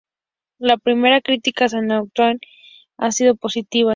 Las primeras críticas a "Night Train" han sido positivas.